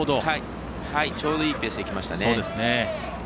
ちょうどいいペースできましたね。